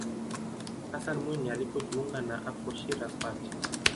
hassan mwinyi alipojiunga na afro shiraz party